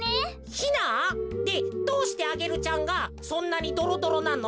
ヒナ？でどうしてアゲルちゃんがそんなにドロドロなの？